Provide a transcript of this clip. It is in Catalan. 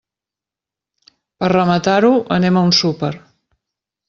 Per rematar-ho, anem a un súper.